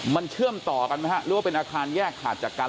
มันเชื่อมต่อกันไหมฮะหรือว่าเป็นอาคารแยกขาดจากกัน